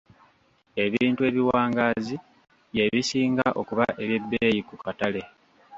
Ebintu ebiwangaazi bye bisinga okuba eby'ebbeeyi ku katale.